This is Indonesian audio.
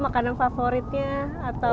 makanan favoritnya atau